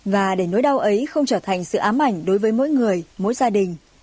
và để nỗi đau ấy không trở thành sự ám ảnh đối với mỗi người mỗi gia đình